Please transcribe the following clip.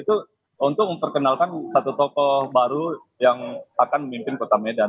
itu untuk memperkenalkan satu tokoh baru yang akan memimpin kota medan